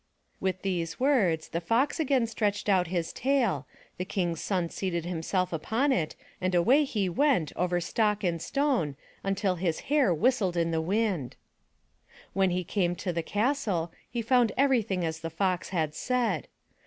With these words, the Fox again stretched out his tail, the King's son seated himself upon it and away and away 294 THROUGH FAIRY HALLS he went over stock and stone till his hair whistled in the wind. When he came to the castle, he found everything as the Fox had said.